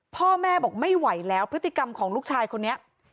พ่อแม่บอกไม่ไหวแล้วพฤติกรรมของลูกชายคนนี้